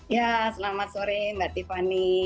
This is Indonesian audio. ya selamat sore mbak tiffany